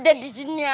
aduh ngapain keluar